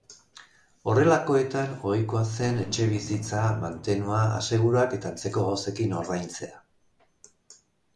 Horrelakoetan ohikoa zen etxebizitza, mantenua, aseguruak eta antzeko gauzekin ordaintzea.